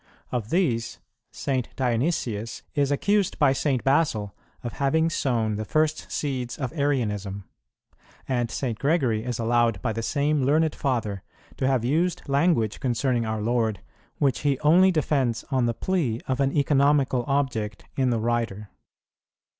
Of these, St. Dionysius is accused by St. Basil of having sown the first seeds of Arianism;[16:2] and St. Gregory is allowed by the same learned Father to have used language concerning our Lord, which he only defends on the plea of an economical object in the writer.